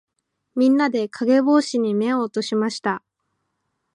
みんなで、かげぼうしに目を落としました。